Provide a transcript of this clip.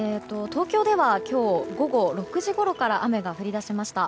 東京では今日、午後６時ごろから雨が降り出しました。